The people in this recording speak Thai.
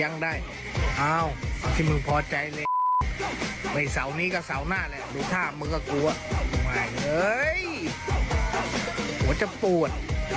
ยังได้อ้าวที่มึงพอใจเลยไอ้เสาร์นี้ก็เสาร์หน้าแหละดูท่ามึงกับกูอ่ะไม่เลยโหจะปวด